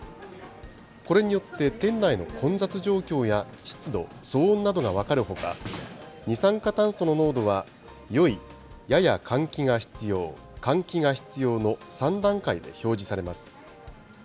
これによって、店内の混雑状況や湿度、騒音などが分かるほか、二酸化炭素の濃度は、よい、やや換気が必要、換気が必要の３段階で表示されます。